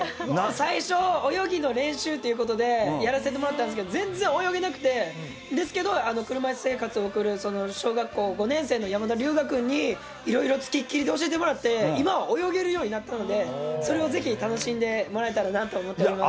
最初、泳ぎの練習ということでやらせてもらったんですけど、全然泳げなくて、ですけど、車いす生活を送る小学校５年生のやまだりゅうが君にいろいろつきっきりで教えてもらって、今は泳げるようになったので、それをぜひ楽しんでもらえたらなと思っています。